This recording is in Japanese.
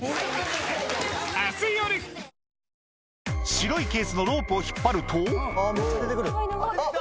白いケースのロープを引っ張るとうわ！